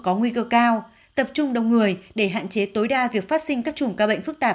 có nguy cơ cao tập trung đông người để hạn chế tối đa việc phát sinh các chủng ca bệnh phức tạp